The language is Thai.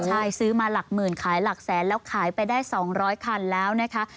ใช่ซื้อมาหลักหมื่นขายหลักแสนแล้วขายไปได้๒๐๐คันแล้วนะคะ